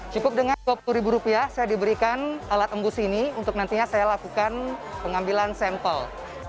cukup dengan dua puluh ribu rupiah saya diberikan alat embus ini untuk nantinya saya lakukan pengambilan sampel